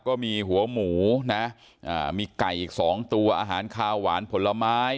ก็มีหัวหมูนะมีไก่อีก๒ตัวอาหารคาวหวานผลไม้